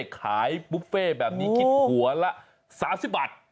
ขายบุฟเฟ่แบบนี้คิดหัวละ๓๐บาท